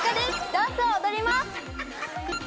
ダンスを踊ります